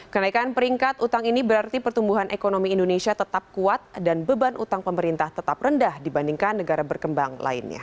kenaikan peringkat utang ini berarti pertumbuhan ekonomi indonesia tetap kuat dan beban utang pemerintah tetap rendah dibandingkan negara berkembang lainnya